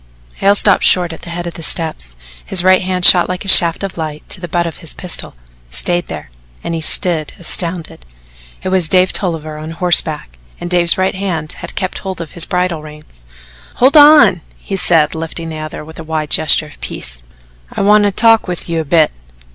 Hale stopped short at the head of the steps, his right hand shot like a shaft of light to the butt of his pistol, stayed there and he stood astounded. It was Dave Tolliver on horseback, and Dave's right hand had kept hold of his bridle reins. "Hold on!" he said, lifting the other with a wide gesture of peace. "I want to talk with you a bit."